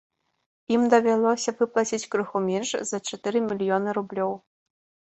Ім давялося выплаціць крыху менш за чатыры мільёны рублёў.